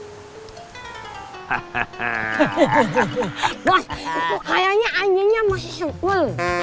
bos kayaknya anjingnya masih sempul